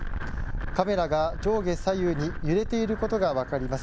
カメラが上下左右に揺れていることが分かります。